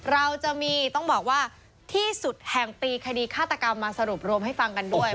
เราจะมีต้องบอกว่าที่สุดแห่งปีคดีฆาตกรรมมาสรุปรวมให้ฟังกันด้วย